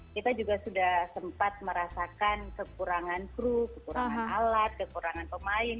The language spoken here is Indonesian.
kita juga sudah sempat merasakan kekurangan kru kekurangan alat kekurangan pemain